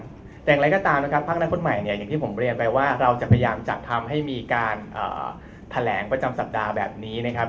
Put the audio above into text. แต่อย่างไรก็ตามนะครับพักอนาคตใหม่เนี่ยอย่างที่ผมเรียนไปว่าเราจะพยายามจัดทำให้มีการแถลงประจำสัปดาห์แบบนี้นะครับ